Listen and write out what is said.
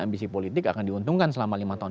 ambisi politik akan diuntungkan selama lima tahun